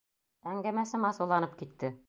Әңгәмәсем асыуланып китте.